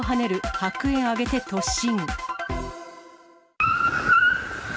白煙上げて突進。